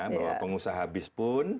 bahwa pengusaha bis pun